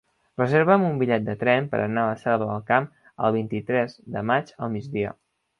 Reserva'm un bitllet de tren per anar a la Selva del Camp el vint-i-tres de maig al migdia.